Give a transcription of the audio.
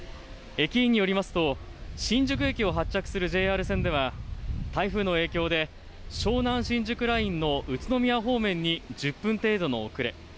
駅員によりますと、新宿駅を発着するＪＲ線では、台風の影響で、湘南新宿ラインの宇都宮方面に１０分程度の遅れ。